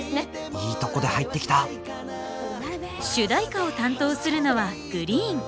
いいとこで入ってきた主題歌を担当するのはＧＲｅｅｅｅＮ。